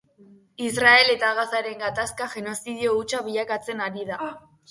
Israel eta Gazaren gatazka genozidio hutsa bilakatzen ari da.